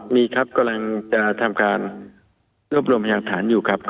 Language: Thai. มีครับกำลังจะทำการรวบรวมพยานฐานอยู่ครับ